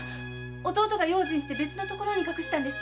弟が用心して別の所に隠したんです。